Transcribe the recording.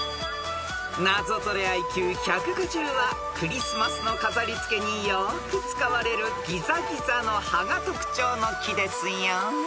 ［ナゾトレＩＱ１５０はクリスマスの飾り付けによく使われるギザギザの葉が特徴の木ですよ］